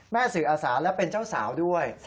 สื่ออาสาและเป็นเจ้าสาวด้วย